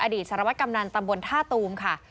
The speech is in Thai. อดีตสรวจกำหนันตำบลธาตุมค่ะ